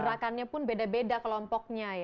gerakannya pun beda beda kelompoknya